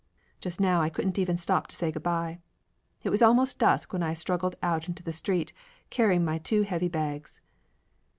Just now I couldn't even stop to say good by. It was almost dusk when I strug gled out into the street carrying my two heavy bags.